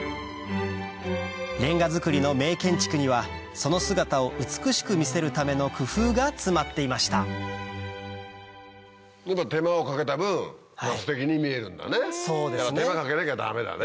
れんが造りの名建築にはその姿を美しく見せるための工夫が詰まっていましただから手間かけなきゃダメだね。